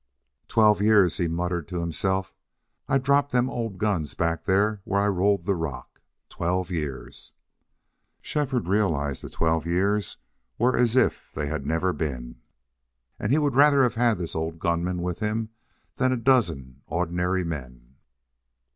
"Twelve years!" he muttered to himself. "I dropped them old guns back there where I rolled the rock.... Twelve years!" Shefford realized the twelve years were as if they had never been. And he would rather have had this old gun man with him than a dozen ordinary men.